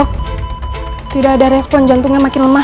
tidak ada respon jantungnya makin lemah